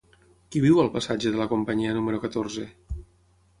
Qui viu al passatge de la Companyia número catorze?